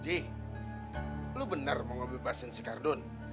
ji lu bener mau ngebebasin si kardun